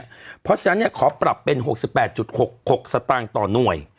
ขอประเปิดเป็น๖๘๖๖สตางค์ต่อหน่วย